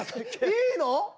いいの？